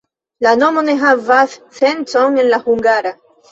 La nomo ne havas sencon en la hungara.